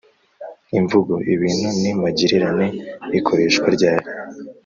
imvugo ibintu ni magirirane ikoreshwa ryari